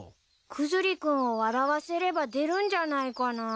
クズリ君を笑わせれば出るんじゃないかな。